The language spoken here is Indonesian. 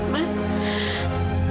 kamu merasa cemburu